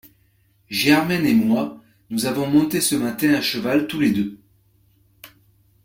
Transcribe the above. Germaine et moi, nous avons monté ce matin à cheval tous les deux…